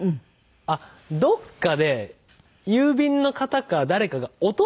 あっどっかで郵便の方か誰かが落としたなって思っちゃって。